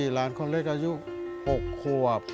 หลานคนเล็กอายุ๖ขวบ